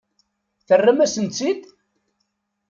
Terram-asen-tt-id?